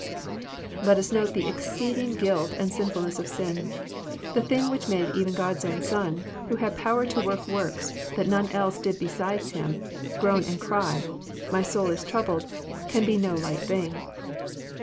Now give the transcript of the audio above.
Let us note the exceeding guilt and sinfulness of sin. The thing which made even God's own Son, who had power to work works that none else did beside Him, groan and cry, <* My soul is troubled," can be no light thing.